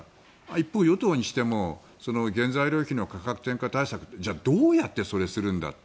一方、与党にしても原材料費の価格転嫁対策ってじゃあ、どうやってそれをするんだ。